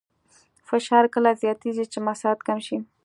فشار کله زیاتېږي چې مساحت کم شي.